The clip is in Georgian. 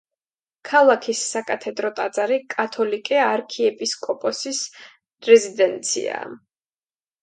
ქალაქის საკათედრო ტაძარი კათოლიკე არქიეპისკოპოსის რეზიდენციაა.